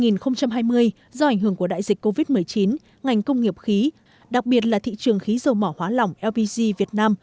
năm hai nghìn hai mươi do ảnh hưởng của đại dịch covid một mươi chín ngành công nghiệp khí đặc biệt là thị trường khí dầu mỏ hóa lỏng lpg việt nam